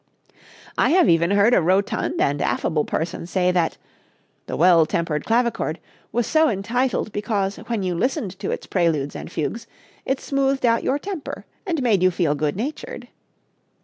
I even have heard a rotund and affable person say that "The Well Tempered Clavichord" was so entitled because when you listened to its preludes and fugues it smoothed out your temper and made you feel good natured!